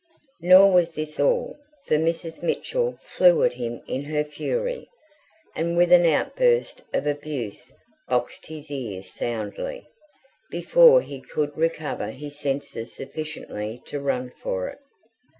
Nor was this all, for Mrs. Mitchell flew at him in her fury, and with an outburst of abuse boxed his ears soundly, before he could recover his senses sufficiently to run for it.